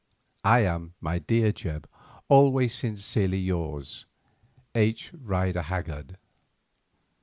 I am, my dear Jebb, Always sincerely yours, H. RIDER HAGGARD.